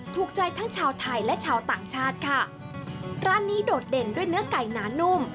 ถูกใจทั้งชาวไทยและชาวต่างชาติค่ะร้านนี้โดดเด่นด้วยเนื้อไก่นานุ่ม